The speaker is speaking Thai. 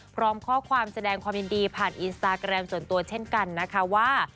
พร้อมข้อความแสดงความยินดีผ่านอินสตาแกรมส่วนตัวเช่นกันนะคะว่า